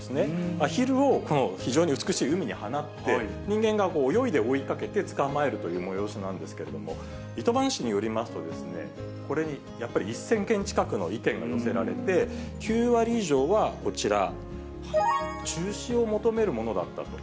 アヒルを非常に美しい海に放って、人間が泳いで追いかけて捕まえるという催しなんですけれども、糸満市によりますとですね、これにやっぱり１０００件近くの意見が寄せられて、９割以上はこちら、中止を求めるものだったと。